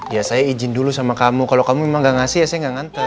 ya saya izin dulu sama kamu kalau kamu memang gak ngasih ya saya nggak nganter